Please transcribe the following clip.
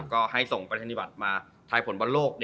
ก็ให้ส่งไปรษณีย์บัตรมาไทยผลบรรโลก